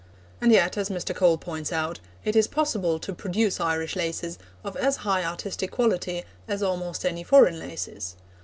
And yet, as Mr. Cole points out, it is possible to produce Irish laces of as high artistic quality as almost any foreign laces.